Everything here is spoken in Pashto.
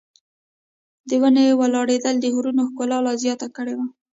د ونې ولاړېدل د غرونو ښکلا لا زیاته کړې وه.